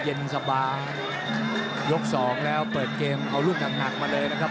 เย็นสบายยกสองแล้วเปิดเกมเอาลูกหนักมาเลยนะครับ